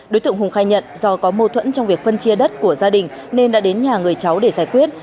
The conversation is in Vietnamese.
đối tượng hùng khai nhận do có mâu thuẫn trong việc phân chia đất của gia đình nên đã đến nhà người cháu để giải quyết